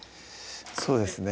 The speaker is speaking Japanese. そうですね